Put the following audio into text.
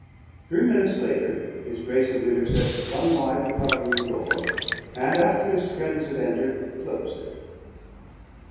Three minutes later, his Grace of Winterset flung wide the card room door, and, after his friends had entered, closed it.